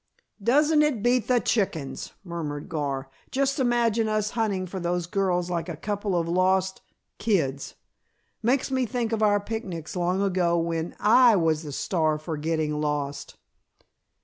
"Doesn't it beat the chickens!" murmured Gar. "Just imagine us hunting for those girls like a couple of lost kids. Makes me think of our picnics long ago when I was the star for getting lost."